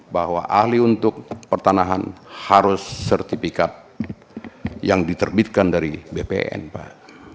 bahwa ahli untuk pertanahan harus sertifikat yang diterbitkan dari bpn pak